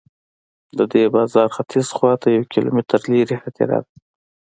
د دې بازار ختیځ خواته یو کیلومتر لرې هدیره ده.